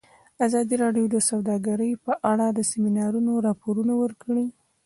ازادي راډیو د سوداګري په اړه د سیمینارونو راپورونه ورکړي.